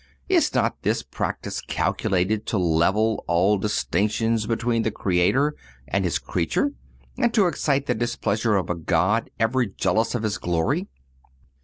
Is not this practice calculated to level all distinctions between the Creator and His creature, and to excite the displeasure of a God ever jealous of His glory?